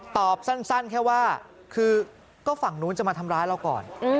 ตอบสั้นแค่ว่าคือก็ฝั่งนู้นจะมาทำร้ายเราก่อน